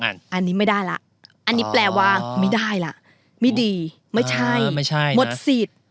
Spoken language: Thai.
อันนี้ไม่ได้ละอันนี้แปลว่าไม่ได้ล่ะไม่ดีไม่ใช่ไม่ใช่หมดสิทธิ์